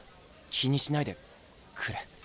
気にしないでくれ。